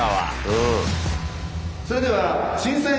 うん。